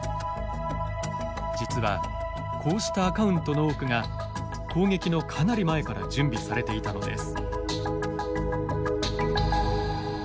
実はこうしたアカウントの多くが攻撃のかなり前から準備されていたのです。